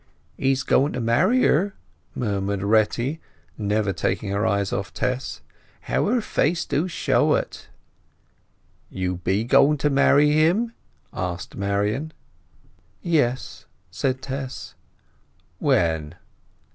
"He's going to marry her!" murmured Retty, never taking eyes off Tess. "How her face do show it!" "You be going to marry him?" asked Marian. "Yes," said Tess. "When?"